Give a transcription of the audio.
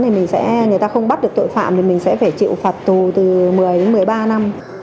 thì mình sẽ người ta không bắt được tội phạm thì mình sẽ phải chịu phạt tù từ một mươi đến một mươi ba năm